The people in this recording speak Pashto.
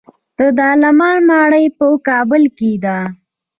د دارالامان ماڼۍ په کابل کې ده